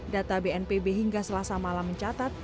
data bnpb hingga selasa malam mencatat